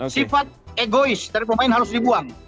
sifat egois dari pemain harus dibuang